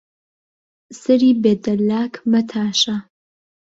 سەری بێ دەلاک مەتاشە